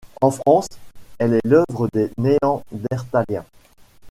En France, elle est l'œuvre des Néandertaliens.